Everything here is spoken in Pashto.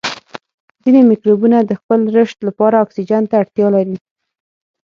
ځینې مکروبونه د خپل رشد لپاره اکسیجن ته اړتیا لري.